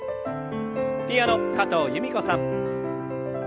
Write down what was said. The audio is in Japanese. ピアノ加藤由美子さん。